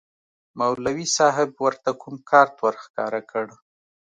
مولوي صاحب ورته کوم کارت ورښکاره کړ.